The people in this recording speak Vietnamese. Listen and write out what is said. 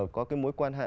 có cái mối quan hệ